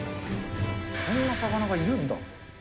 こんな魚がいるんだ。